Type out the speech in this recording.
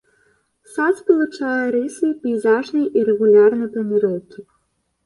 Сад спалучае рысы пейзажнай і рэгулярнай планіроўкі.